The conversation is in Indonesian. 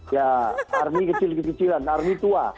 ya army kecil kecilan army tua